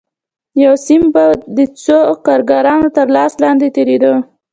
یو سیم به د څو کارګرانو تر لاس لاندې تېرېده